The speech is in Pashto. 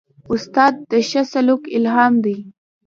استاد د ښه سلوک الهام دی.